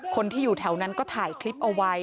คนที่อยู่แถวนั้นก็ถ่ายคลิปเอาไว้